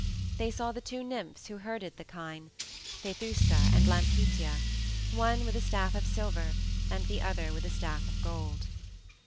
They saw the two nymphs who herded the kine Phaethusa and Lampetia, one with a staff of silver and the other with a staff of gold.